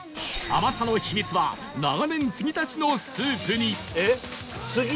甘さの秘密は長年継ぎ足しのスープに